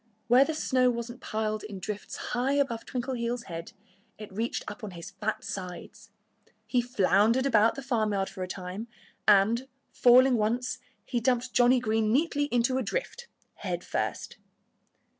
Where the snow wasn't piled in drifts high above Twinkleheels' head it reached up on his fat sides. He floundered about the farmyard for a time. And, falling once, he dumped Johnnie Green neatly into a drift, head first.